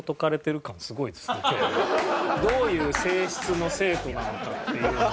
どういう性質の生徒なのかっていうのを。